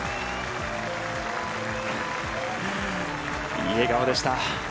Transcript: いい笑顔でした。